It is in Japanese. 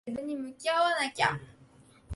ちゃんと自分に向き合わなきゃ。